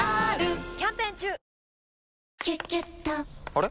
あれ？